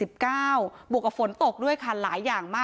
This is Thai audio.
บวกกับฝนตกด้วยค่ะหลายอย่างมาก